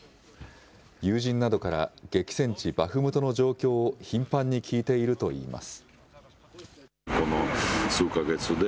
友人などから、激戦地バフムトの状況を頻繁に聞いているといいます。